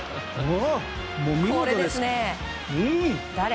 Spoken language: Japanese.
見事です。